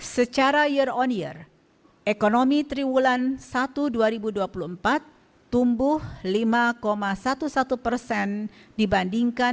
secara year on year ekonomi triwulan satu dua ribu dua puluh empat tumbuh lima sebelas persen dibandingkan